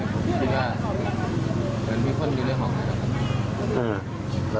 คิดว่าเหมือนมีคนอยู่ในห้องไหนครับ